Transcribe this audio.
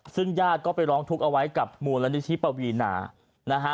ซึ่งญาติก็ไปร้องทุกข์เอาไว้กับมูลนิธิปวีนานะฮะ